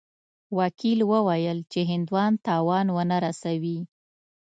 وکیل وویل چې هندوان تاوان ونه رسوي.